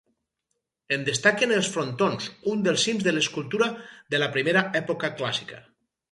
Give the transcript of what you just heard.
En destaquen els frontons, un dels cims de l'escultura de la primera època clàssica.